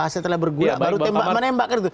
setelah bergulat baru tembak menembak